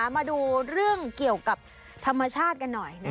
มาดูเรื่องเกี่ยวกับธรรมชาติกันหน่อย